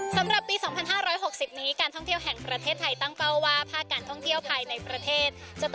สำหรับปี๒๕๖๐นี้การท่องเที่ยวแห่งประเทศไทยตั้งเป้าว่าภาคการท่องเที่ยวภายในประเทศ